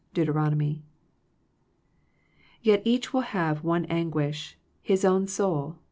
Dbutbromomy. Yet each will have one anguish— hit own soul.